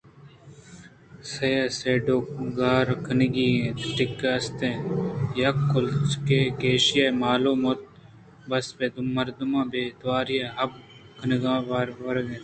سیہ سِیڈ ءُ گار کنگی اِنت ٹِکّ است اَ ت یک کُچّکے کہ ایشی ءِ مالءُ مت بس پہ مردماں بے تواریءَ ہب کنگءُ وَرَگ اَت